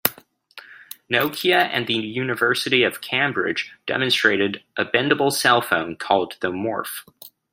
Nokia and the University of Cambridge demonstrated a bendable cell phone called the Morph.